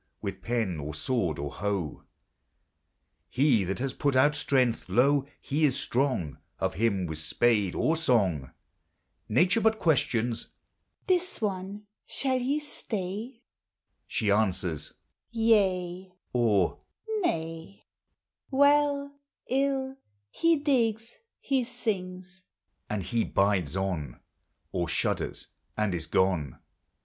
Willi pen or sword or hoe, He that has put out strength, La, he Is strong J of him with Bpade or song Nature bnt questions, ^This one, shall fa t 9 She answers u Sea," or u tfaj •> OC POEMS OF SENTIMENT. " "Well, ill, he digs, he sings ;" and he bides on, Or shudders, and is gone.